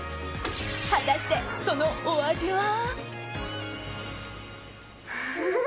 果たして、そのお味は？